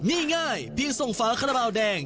นี่ง่ายเพียงส่งฝาคาราบาลแดง